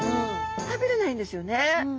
食べれないんですよね。